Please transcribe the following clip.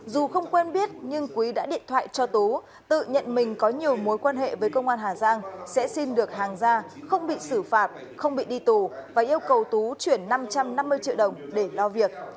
dù không quen biết nhưng quý đã điện thoại cho tú tự nhận mình có nhiều mối quan hệ với công an hà giang sẽ xin được hàng ra không bị xử phạt không bị đi tù và yêu cầu tú chuyển năm trăm năm mươi triệu đồng để lo việc